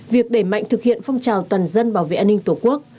việc đẩy mạnh thực hiện phong trào toàn dân bảo vệ an ninh tổ quốc